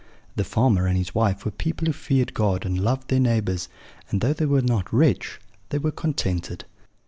The farmer and his wife were people who feared God and loved their neighbours, and though they were not rich, they were contented.